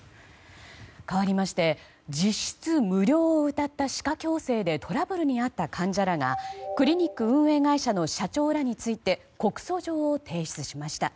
かわりまして、実質無料をうたった歯科矯正でトラブルにあった患者らがクリニック運営会社の社長らについて告訴状を提出しました。